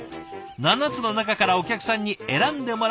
７つの中からお客さんに選んでもらう仕組み。